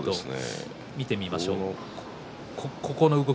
見てみましょう。